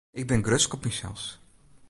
Ik bin grutsk op mysels.